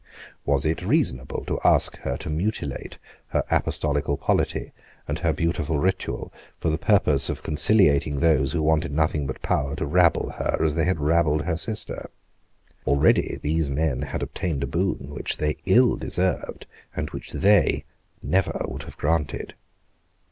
Was it reasonable to ask her to mutilate her apostolical polity and her beautiful ritual for the purpose of conciliating those who wanted nothing but power to rabble her as they had rabbled her sister? Already these men had obtained a boon which they ill deserved, and which they never would have granted.